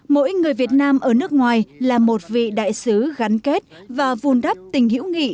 mỗi người việt nam ở nước ngoài là một vị đại sứ gắn kết và vùn đắp tình hiểu nghị